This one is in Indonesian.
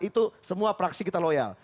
itu semua praksi kita loyal